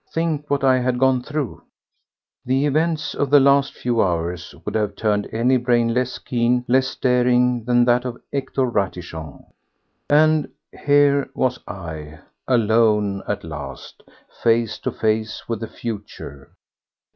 Think what I had gone through! The events of the last few hours would have turned any brain less keen, less daring than that of Hector Ratichon. And here was I, alone at last, face to face with the future.